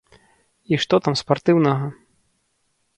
І што там спартыўнага?